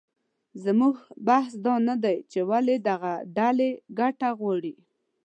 زموږ بحث دا نه دی چې ولې دغه ډلې ګټه غواړي